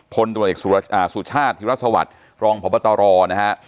พนธุ์ตมตรศูชาติธิวรัศวัฒน์รองพตนะครับ